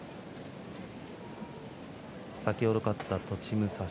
先ほど勝った栃武蔵